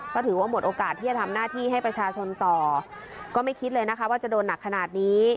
ก็ถือว่าหมดโอกาสที่จะทำหน้าที่ให้ประชาชนต่อก็ไม่คิดเลยนะคะว่าจะโดนหนักขนาดนี้